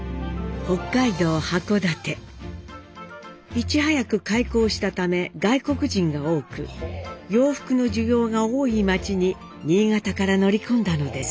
いち早く開港したため外国人が多く洋服の需要が多い街に新潟から乗り込んだのです。